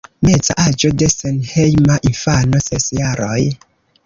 Meza aĝo de senhejma infano: ses jaroj.